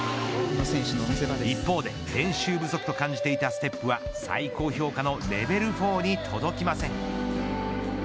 一方で練習不足と感じていたステップは最高評価のレベル４に届きません。